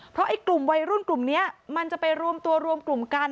เพราะไอ้กลุ่มวัยรุ่นกลุ่มนี้มันจะไปรวมตัวรวมกลุ่มกัน